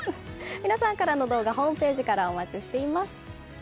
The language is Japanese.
皆さんからの動画ホームページからお待ちしています。